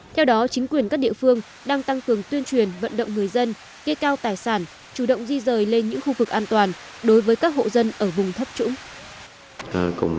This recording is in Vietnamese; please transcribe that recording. theo đó chính quyền các địa phương đang tăng cường tuyên truyền vận động người dân kê cao tài sản chủ động di rời lên những khu vực an toàn đối với các hộ dân ở vùng thấp trũng